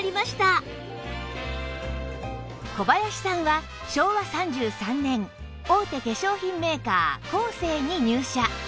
小林さんは昭和３３年大手化粧品メーカーコーセーに入社